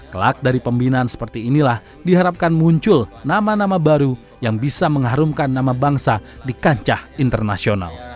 kelak dari pembinaan seperti inilah diharapkan muncul nama nama baru yang bisa mengharumkan nama bangsa di kancah internasional